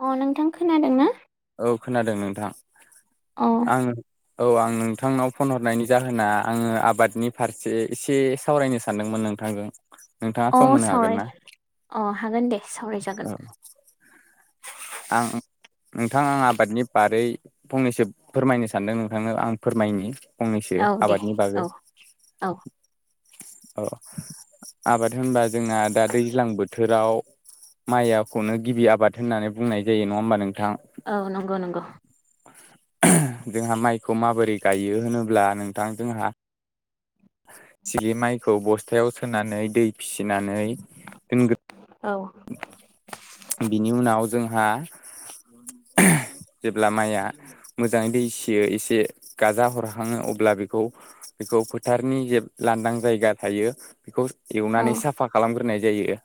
अ नोंथां खोनादों ना? औ खोनादों नोंथां अ आं औ आं नोंथांनाव फन हरनायनि जाहोना आङो आबादनि फारसे एसे सावरायनो सानदोंमोन। नोथांजों नोंथाङा अ सम होनो हागोन सावराय ना अ हागोन दे सावरायजागोन औ आं नोंथां आं आबादनि बारै फंनैसो फोरमायनो सानदों नोंथांनो आं फोरमायनि फंनैसो औ दे आबादनि बागै औ औ अ आबाद होनबा जोंना दा दैज्लां बोथोराव माइआखौनो गिबि आबाद होननानै बुंनाय जायो नङा होमबा नोंथां औ नंगौ नंगौ जोंहा माइखौ माबोरै गायो होनोब्ला नोंथां जोंहा सिगि माइखौ बस्थायाव सोनानै दै फिसिनानै दोनग्रो औ हा जेब्ला माइआ मोजाङै दैसियो एसे गाजा हरखाङो अब्ला बेखौ बेखौ फोथारनि जे लांदां जायगा थायो बेखौ औ एवनानै साफा खालामग्रोनाय जायो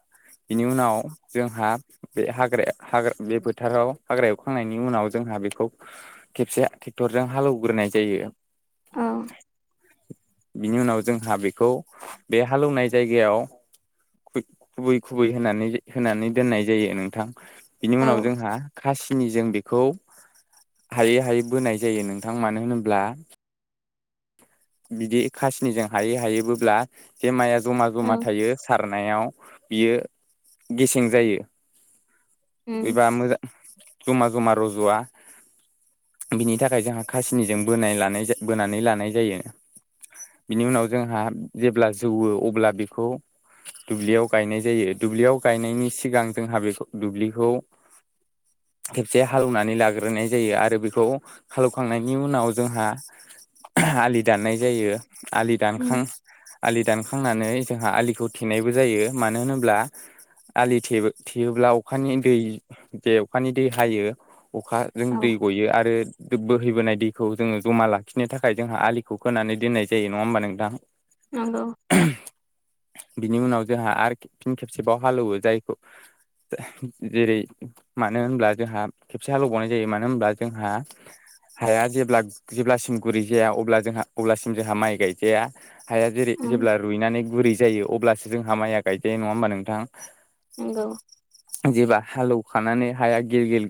बेनि उनाव जोंहा बे हाग्रायाव हाग्रा बे बोथोराव हाग्रा एवखांनायनि उनाव जोंहा बेखौ खेबसेे टेक्थरजों हालौवग्रोनाय जायो। औ बिनि उनाव जोंहा बेखौ बे हालेवनाय जायगायाव खुबै खुबै होनानै होनानै दोननाय जायो नोंथां बिनि औ उनाव जोंहा खासि खिनि जों बेखौ हायै हायै बोनाय जायो नोंथां मानो होनोब्ला बिदि खासिनिजों हायै हायै बोब्ला बे माइया जमा औ जमा थायो सा रनायाव बियो गेसें जायो उम एबा मोजा जमा जुमा रजआ बिनि थाखाय जोंहा खासिनिजों बोनाय लानाय जायो बोनानै लानाय जायो बिनि उनाव जोंहा जेब्ला जौवो अब्ला बेखौ दुब्लियाव गायनाय जायो दुब्लियाव गायनायनि सिगां जोंहा बेखौ दुब्लिखौ [inaudible] खेबसे हालेवनानै लाग्रोनाय जायो आरो बेखौ हालौवखांनायनि उनाव जोंहा आलि दाननाय जायो आलि दानखां उम आलि दान खांनानै जोंहा आलिखौ थेनायबो जायो मानो होनोब्ला आलि थे थेयोब्ला अखानि दै बे अखानि दै हायो अखाजों औ दै गयो आरो बोहैबोनाय दैखौ जोङो जमा लाखिनो थाखाय थाखाय जोंहा आलिखौ खोनानै दोननाय जायो नङा ओमबा नोंथां नंगौ बिनि उनाव जोंहा आरो फिन खेबसेबाव हालेवो जायखौ जेरै मानो होनब्ला जोंहा खेबसे हालेबावनाय जायो मानो होनब्ला जोंहा हाया जेब्ला जेब्लासिम गुरै जाया अब्ला जोंहा अब्लासिम जोंहा माइ गायजाया हाया जेरै उम जेब्ला रुइनानै गुरै जायो अब्लासो जोंहा माइ गायजायो नङा होमबा नोंथां नंगौ हालौवखानानै हाया गेल- गेल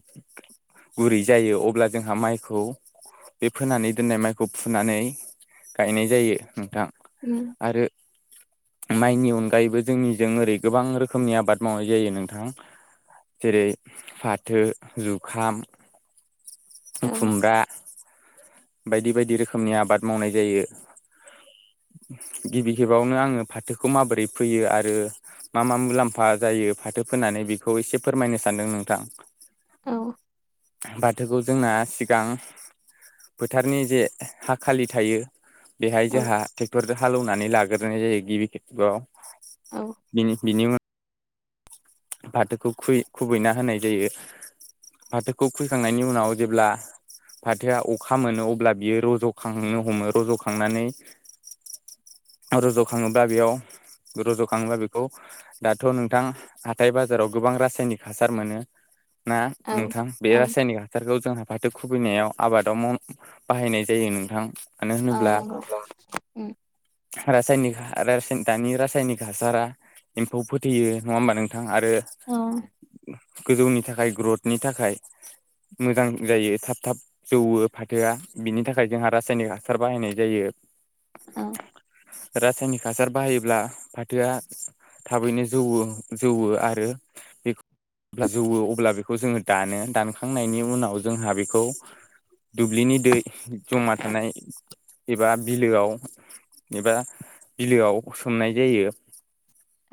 गुरै जायो अब्ला जोंहा माइखौ बे फोनानै दोननाय माइखौ फुनानै गायनाय जायो नोंथां उ आरो माइनि अनगायैबो जोंनिजों ओरै गोबां रोखोमनि आबाद मावनाय जायो नोंथां जेरै फाथो, जुखाम, औ खुमब्रा बायदि बायदि रोखोमनि आबाद मावनाय जायो गिबि खेबावनो आङो फाथोखौ माबोरै फोयो आरो मा मा मुलाम्फा जायो फाथो फोननानै बेखौ एसे फोरमायनो सानदों नोंथां औ फोथोरखौ जोंना सिगां फोथारनि जे हा खालि थायो बेहाय जोंहा ट्रेक्टर हालेवनानै लाग्रोनाय जायो गिबि खेआव औ बिनि बिनि उनाव फाथोखौ खु खुबैना होनाय जायो फाथोखौ खुइखांनायनि उनाव जेब्ला फाथोआ अखा मोनो अब्ला बियो रज'खांनो हमो रज'खांनानै रज' खाङोब्ला बेयाव रज' खाङोब्ला बेखौ दाथ' नोंथां हाथाय बाजाराव गोबां रासायनिक हासार मोनो ना नोंथां बे औ रासायनिक हासारखौ जोंहा फाथो खुबैनायाव आबादाव बाहायनाय जायो नोंथां मानो आ होनोब्ला नंगौ रासायनिक दानि रासायनिक हासारा एम्फौ फोथैयो नङा होमबा नों आरो औ गोजौनि थाखाय ग्रथनि थाखाय मोजां जायो थाब - थाब जौवो फाथोआ बिनि थाखाय जोंहा रासायनिक हासार बाहायनाय जायो औ रासायनिक हासार बाहायोब्ला फाथोआ थाबैनो जौ जौवो आरो बेखौ अब्ला जौवो अब्ला बेखौ जोङो दानो दानखांनायनि उनाव जोंहा बेखौ दुब्लिनि दै जमा थानाय एबा बिलोआव एबा बिलोआव सोमनाय जायो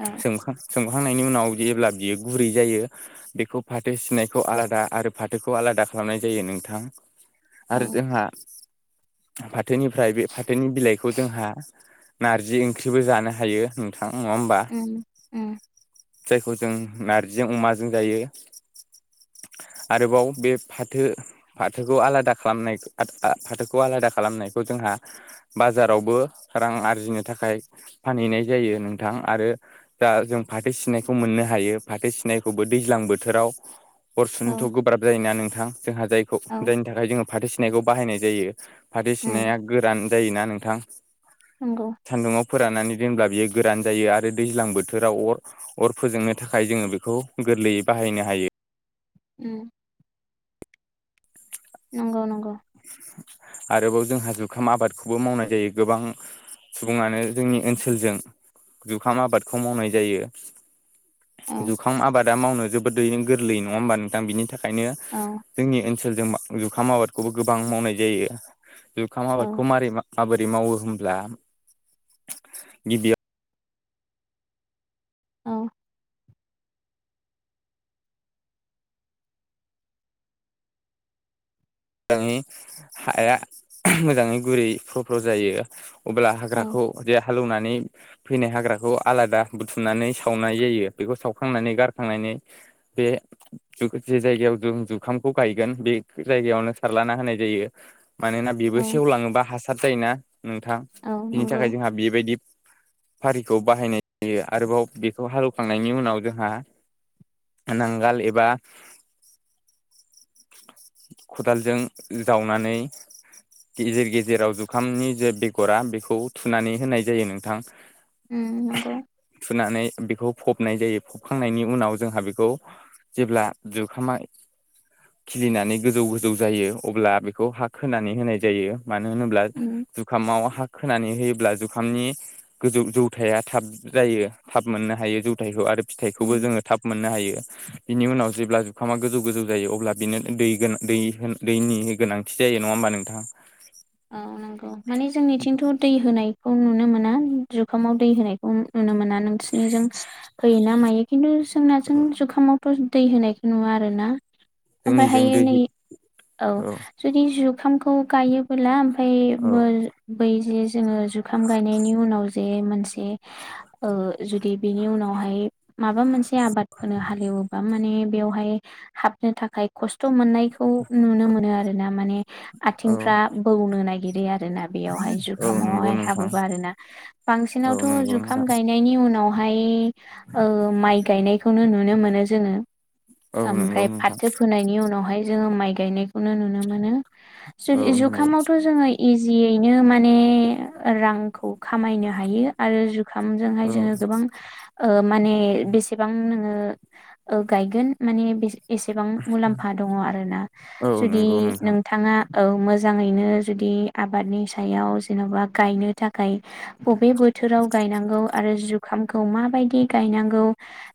औ सोमखां सोमखांनायनि उनाव जेब्ला बियो गुरै जायो बेखौ फाथो सिनायखौ आलादा आरो फाथोखौ आलादा खालामनाय जायो नोंथां औ आरो जोंहा फाथोनिफ्राय बे फाथोनि बिलाइखौ जोंहा नारजि ओंख्रिबो जानो हायो नोंथां नङा हबा उम उम खौ जों नार्जिजों अमाजों जायो आरोबाव बे फाथो - फाथोखौ आलादा खालामनाय फाथोखौ आलादा खालामनायखौ जों जोंहा बाजारावबो रां आरजिनो थाखाय फानहैनाय जायो नोंथां आरो दा जों फाथो सिनायखौ मोननो हायो फाथो सिनायखौबो दैज्लां बोथोराव औ हरसुनोथ' गोब्राब जायोना नोंथां जोंहा जायखौ औ जायनि थाखाय जोङो फाथो सिनायखौ बाहायनाय जायो फाथै उम सिनाया गोरान जायोना नोंथां नंगौ सान्दुङाव फोराननानै जेब्ला बियो गोरान जायो आरो दैज्लां बोथोराव अर अर फोजोंनो थाखाय जोङो बेखौ गोरलैयै बाहायनो हायो उम नंगौ नंगौ आरोबाव जोंहा जुखाम आबादखौबो मावनाय जायो गोबां सुबुङानो जोंनि ओनसोलजों जुखाम आबादखौ मावनाय जायो औ जुखाम आबादा मावनो जोबोदैनो गोरलै नङा होमबा नोंथां बिनि थाखाय बेनिखायनो औ जोंनि ओनसोलजों जुखाम आबादखौबो गोबां मावनाय जायो जुखाम औ आबादखौ माबोरै मावो होनोब्ला गिबियाव औ मोजाङै हाया मोजांङै गुरै फ्र फ्र जायो अब्ला हाग्राखौ हालौवनानै फैनाय हाग्राखौ आलादा बुथुमनानै सावनाय जायो बेखौ सावखांनानै बे जे जायगायाव जुखामखौ गायगोन बे जायगायावनो सारलाना होनाय जायो मानोना बेबो औ सेवलांङोबा हासार जायोना नोंथां औ बिनि नंगौ थाखाय जोंहा बेबायदि फारिखौ बाहायनाय जायो आरोबाव बेखौ हालौवखांनायनि उनाव जोंहा नांगाल एबा खदालजों जावनानै गेजेर गेजेराव जुखामनि जे बेगरा बेखौ थुनानै होनाय जायो नोंथां ओम नंगौ थुनानै बेखौ फबनाय जायो फबखांनायनि उनाव जोंहा बेखौ जेब्ला जुखामा खिलिनानै गोजौ गोजौ जायो अब्ला बेखौ हा खोनानै होनाय जायो मानो होनोब्ला उम जुखामाव हा खोनानै होयोब्ला जुखामनि गोजौ जौथाया थाब जायो थाब मोननो हायो जौथायखौ आरो फिथाइखौबो उम जोंङो थाब मोननो हायो बिनि उनाव जेब्ला जुखामा गोजौ गोजौ जायो अब्ला बिनो दै गोनां दै दैनि गोनांथि जायो नंङा होमबा नोंथां औ नांगौ माने जोंनिथिंथ' दै होनाय खौ नुनो मोना जुखामाव दै होनायखौ नुनो मोना नोंसिनिजों होयो ना मायो खिन्थु जोंना जों जुखामावथ दै होनायखौ नुवा आरोना जोंनिजों ओमफ्रायहायो दै नै औ जुदि जुखामखौ गायोबोला ओमफ्राय औ बै जे जोंङो जुखाम गायनायनि उनाव जे मोनसे ओ जुदि बेनि उनावहाय माबा मोनसे आबाद हालेवोबा माने बेवहाय हाब बिनो थाखाय खस्थ मोननाय खौ नुनो मोनो आरो ना माने औ आथिंफ्रा बौनो नागिरो आरो आरोना बेयावहाय औ नंगौ जुखामावहाय नोंथां हाबोबा आरोना औ बांसिनावथ' नंगौ जुखाम नोंथां गायनायनि उनाव बेहाय माइ गायनायखौनो नुनो मोनो जोंङो औ नंगौ ओमफ्राय नोंथां फाथो फोनायनि उनावहाय जोंङो माइ गायनायखौनो नुनो मोनो औ नंगौ जुखामावथ' जोंङो इजियैनो मान रांखौ खामायनो हायो आरो जुखामजोंहाय औ जोंङो गोबां माने बेसेबां नोंङो गायगोन माने बे एसेबां मुलाम्फा दंङ आरोना औ जुदि नंगौ नोंथां नोंथाङा ओ मोजाङैनो जुदि आबादनि सायाव जेनबा गायनो थाखाय बबे बोथोराव गायनांगौ आरो जुखामखौ माबायदि गायनांगौ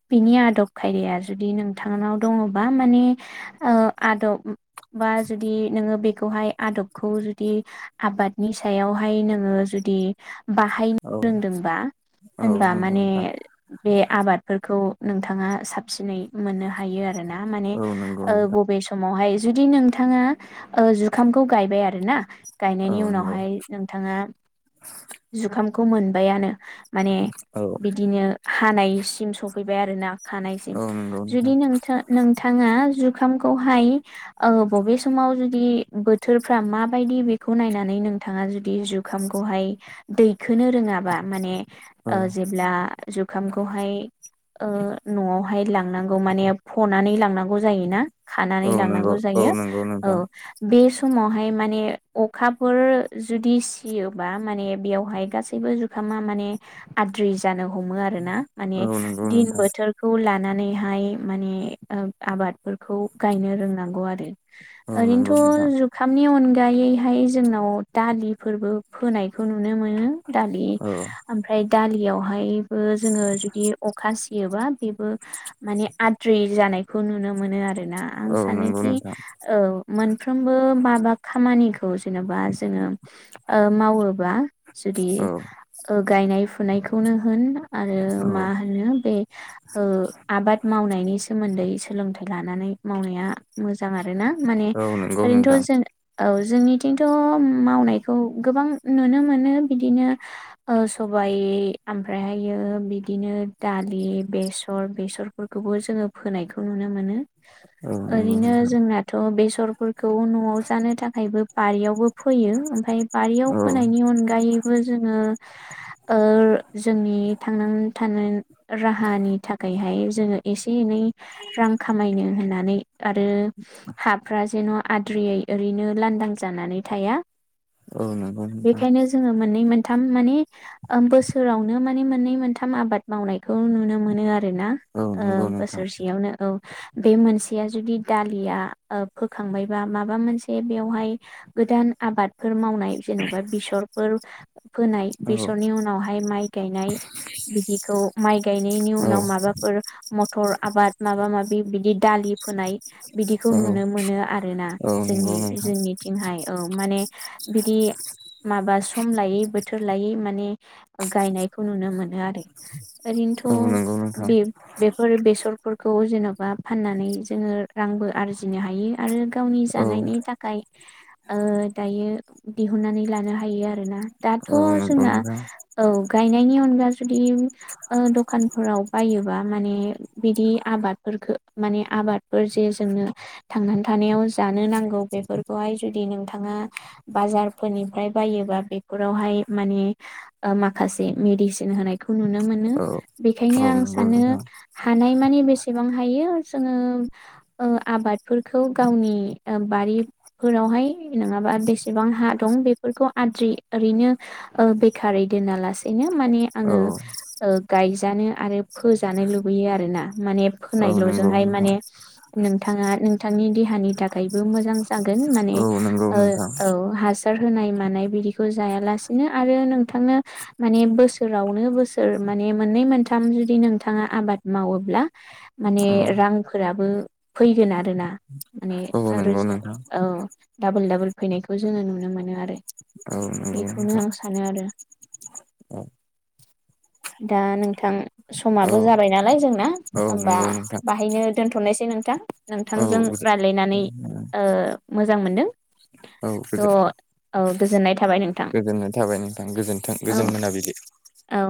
बिनि आदब खायदाया जुदि नों थांनाव दंङबा मानि आदब बा जुदि नोंङो बेखौहाय आदबखौ जुदि आबादनि सायावहाय नोंङो जुदि बाहायनो औ रोंदोंबा औ होनबा नंगौ माने नोंथां बे आबादफोरखौ नोंथाङा साबसिनै मोननो हायो आरो ना माने औ नंगौ नोंथां बबे समाव समावहाय जुदि नोंथाङा जुखामखौ गायबाय आरो ना औ गायनायनि नंगौ उनावहाय नोंथाङा जुखामखौ मोनबायानो माने औ बिदिनो हानायसिम सौफैबाय आरोना [unintelligible] औ नंगौ जुदि नोंथां नोंथाङा जुखाम खौहाय ओ बबे समाव जुदि खौ नायनानै नोंथाङा जुदि जुखामखौहाय दैखोनो रोंङाबा माने औ ओ जेब्ला जुखामखौहाय ओ नआवहाय लांनांगौ माने फनानै लांनांगौ जायोना औ खानानै नंगौ लांनांगौ औ जायो नंगौ औ नोंथां बे समावहाय माने अखाफोर जुदि सियोबा माने बेयावहाय गासैबो जुखामा माने आद्रि जानो हमो आरो ना औ माने नंगौ दिन नोंथां बोथोरखौ लाना नानैहाय माने ओ आबादफोरखौ गायनो रोंनांगौ आरो औ नंगौ थ' नोंथां जुखामनि अनगायैहाय जोंनाव दालिफोरबो फोनायखौ नु नुनो मोनो दालि औ ओमफ्राय दालियावहायबो जोङो जुदि अखा सियोबा बेबो माने आद्रि जानायखौ नुनो मोनो आरो आरोना आं औ नंगौ सानोखि नोंथां औ मोनफ्रोमबो माबा खामानिखौ जेनेबा जोङो ओ मावोबा जुदि औ गायनाय ओ फुनायखौनो होन आरो औ मा होनो बे ओ आबाद मावनायनि सोमोन्दै सोलोंथाइ लानानै मावनाया मोजां आरोना माने औ नंगौ नोंथां ओरैनोथ' जों औ जोंनिथिंथ' मावनायखौ गोबां नुनो मोनो बिदिनो ओ सबा सबाय ओमफ्रायहायो बिदिनो दालि बेसर बेसरफोरखौबो जोङो फोनायखौ नुनो मोनो औ नंगौ ओरैनो नोंथां जोंनाथ' बेसर फोरखौ न'आव जानो थाखायबो बारियावबो फोयो ओमफ्राय बारियाव औ फोनायनि अनगायैबो जोङो ओ जोंनि थांनां थानो राहानि थाखायहाय जों एसे एनै रां खामायनो होननानै आरो हाफ जेन' आद्रियै ओरैनो लांदां जानानै थाया औ नंगौ नोंथां बेखायनो जोङो मोननै मोन मोनथाम माने ओ बोसोरावनो मान्नै मोनथाम आबाद मावनायखौ नुनो मोनो आरो आरोना औ ओ नंगौ नोंथां बोसोरसेयावनो औ बे मोनसेया जुदि दालिया फोखांबायबा माबा मोनसे बेयावहाय गोदान आबादफोर माव मावनाय जेनबा बेसरफोर फोनाय औ बेसरनि उनावहाय माइ गायनाय बिदि खौ माइ गायनायनि औ उनाव माबाफोर मथर आबाद माबा माबि बिदि दालि फोनाय बिदिखौ औ नुनो मोनो आरोना औ नंगौ जोंनि नोंथां जोंनिथिंहाय औ माने बिदि माबा सम लायै बोथोर लायै माने गायनाय खौ नुनो मोनो आरो औ ओरैनोथ' नंगौ नोंथां बे बेफोर बेसरफोरखौ जेन' बा फाननानै जोङो रांबो आरजिनो हायो आरो गावनि औ जानायनि थाखाय ओ दायो दिहुननानै लानो हायो आरो ना दाथ' औ जोंना नंगौ औ गायनायनि अनगा जु दि ओ दखानफोराव बायोबा माने बिदि आबादफोरखौ माने आबादफोर जे जोंनो थांनानै थानायाव जानो नांगौ बेफोरखौहाय जुदि नोंथाङा बाजारफोरनिफ्राय बायो बा बेफोरावहाय माने ओ माखासे मदिसिन होनायखौ नुनो मोनो नोंथां औ बेखायनो औ आं नंगौ सानो नोंथां हानाय मानि बे बेसेबां हायो जोङो ओ आबाद फोरखौ गावनि ओ बारिफोरावहाय नङाबा बेसेबां हा दं बेफोरखौ आ आद्रि ओरैनो ओ बेखारै दोना लासेनो माने आङो औ ओ गायजानो आरो फोजानो लुबैयो आरोना माने औ फोनायल' नंगौ जोंहाय नोंथां माने नोंथाङा नोंथांनि देहानि थाखायबो मोजां जागोन माने औ नंगौ ओ औ नोंथां हास फोर होनाय मानाय बिदिखौ जायालासेनो आरो नोंथांनो माने बोसोरावनो बोसोर माने मोननै मोनथाम जुदि नोंथाङा आबाद मावोब्ला माने औ रांफोराबो फैगोन आरोना माने औ नंगौ रोजा नोंथां औ डाबोल डाबोल फैनायखौ जोङो नुनो मोनो आरो औ नंगौ बेखौनो नोंथां आं सानो आरो दा नोंथां औ समाबो औ जाबाय नालाय जोंना औ ओमबा नंगौ नोंथां बाहायनो दोनथ'नायसै नोंथां औ दे नानै ओ मोजां मोनदों। औ थ' गोदोर। औ गोजोननाय था गोजोननाय थाबाय नोंथां गोजोन्थों औ गोजोन मोनाबिलि। औ।